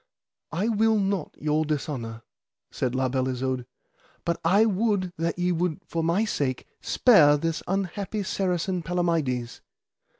I will not your dishonour, said La Beale Isoud, but I would that ye would for my sake spare this unhappy Saracen Palamides.